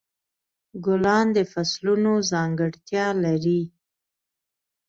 ګلان د فصلونو ځانګړتیا لري.